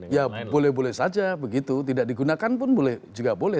ya boleh boleh saja begitu tidak digunakan pun juga boleh